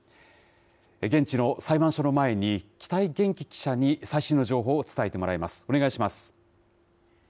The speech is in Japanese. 現地の裁判所の前に、北井元気記者に最新の情報を伝えてもらいます。